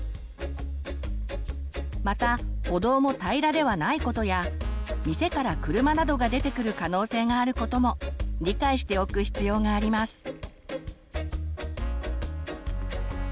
また歩道も平らではないことや店から車などが出てくる可能性があることも理解しておく必要があります。